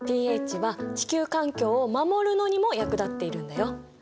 ｐＨは地球環境を守るのにも役立っているんだよ。